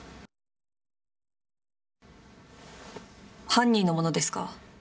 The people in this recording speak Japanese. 犯人のものですか？